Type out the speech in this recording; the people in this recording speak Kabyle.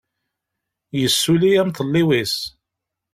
Yessuli amḍelliw-is.